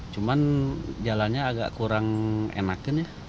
cuman jalannya agak kurang enakin ya